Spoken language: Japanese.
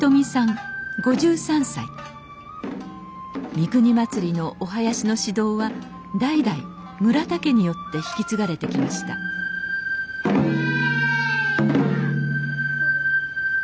三国祭のお囃子の指導は代々村田家によって引き継がれてきましたえいや！